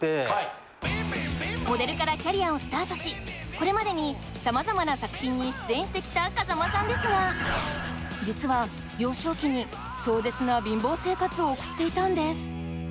モデルからキャリアをスタートしこれまでに様々な作品に出演してきた風間さんですが実は幼少期に壮絶な貧乏生活を送っていたんです